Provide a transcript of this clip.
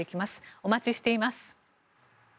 お待ちしています。